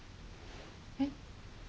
えっ？